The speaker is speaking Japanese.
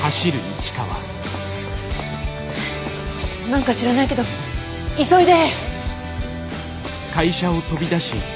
何か知らないけど急いで！